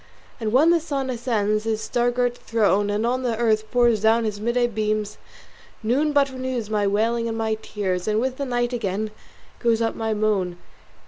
And when the sun ascends his star girt throne, And on the earth pours down his midday beams, Noon but renews my wailing and my tears; And with the night again goes up my moan.